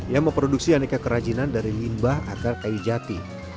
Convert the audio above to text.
yang memproduksi aneka kerajinan dari limbah agar kayu jati